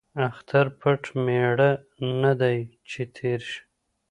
ـ اختر پټ ميړه نه دى ،چې تېر شي.